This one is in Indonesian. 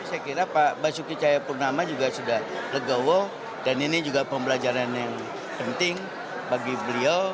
saya kira pak basuki cahayapurnama juga sudah legowo dan ini juga pembelajaran yang penting bagi beliau